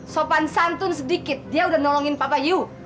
sopan santun sedikit dia udah nolongin papa yuk